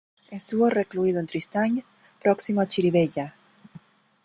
Estuvo recluido en Tristany, próximo a Chirivella.